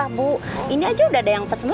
di sini juga tersenyum anaknya tuh